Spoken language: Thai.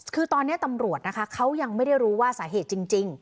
คือตอนนี้ตำรวจนะคะเขายังไม่ได้รู้ว่าสาเหตุจริง